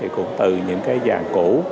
cũng từ những vàng cũ